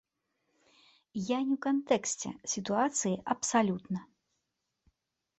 Я не ў кантэксце сітуацыі абсалютна.